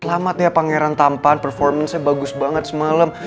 selamat ya pangeran tampan performance nya bagus banget semalam